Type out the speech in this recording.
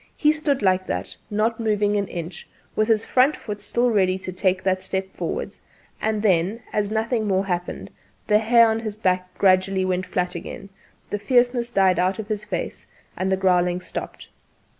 He stood like that, not moving an inch, with the front foot still ready to take that step forward; and then, as nothing more happened, the hair on his back gradually went flat again; the fierceness died out of his face; and the growling stopped.